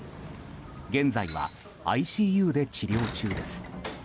現在はＩＣＵで治療中です。